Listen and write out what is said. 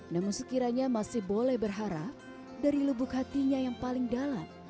namun sekiranya masih boleh berharap dari lubuk hatinya yang paling dalam